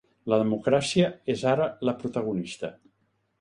La democràcia és ara la protagonista.